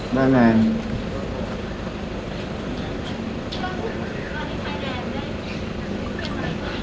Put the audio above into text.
บ้านแหลม